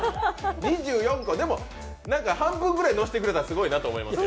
でも、半分くらい乗せてくれたらすごいなと思いますよ。